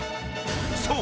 ［そう。